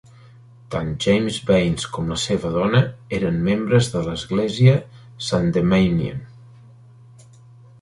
Tant James Baynes com la seva dona eren membres de l'església Sandemanian.